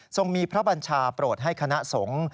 มีพระบัญชาโปรดให้คณะสงฆ์